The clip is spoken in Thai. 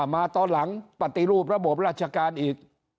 มาตอนหลังปฏิรูประบบราชการอีก